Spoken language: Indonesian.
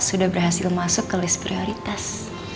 sudah berhasil masuk ke list prioritas